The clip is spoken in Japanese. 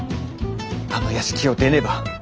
あの屋敷を出ねば。